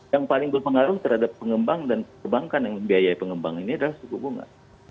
yang paling berpengaruh terhadap pengembang dan perbankan yang membiayai pengembang ini adalah suku bunga